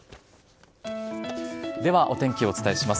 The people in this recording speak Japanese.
ではお天気をお伝えします。